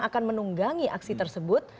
akan menunggangi aksi tersebut